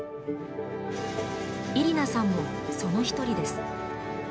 イリナさんもその一人です。